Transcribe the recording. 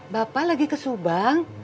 bapak lagi ke subang